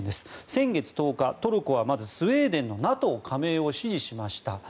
先月１０日、トルコはまずスウェーデンのＮＡＴＯ加盟を支持しました。